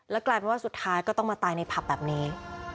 กลายเป็นว่าสุดท้ายก็ต้องมาตายในผับแบบนี้